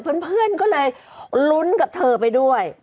เพื่อนก็เลยลุ้นกับเธอไปด้วย